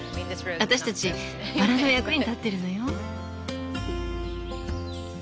私たちバラの役に立ってるのよ。